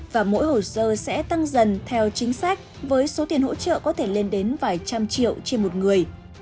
và mỗi hồ sơ sẽ tăng dần theo chính sách với số tiền hỗ trợ có thể lên đến vài trăm triệu trên một người